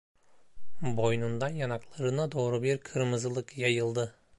Boynundan yanaklarına doğru bir kırmızılık yayıldı.